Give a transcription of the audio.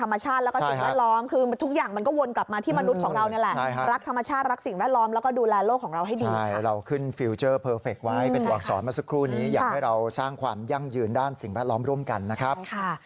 มาสักครู่นี้อยากให้เราสร้างความยั่งยืนด้านสิ่งพัดล้อมร่วมกันนะครับ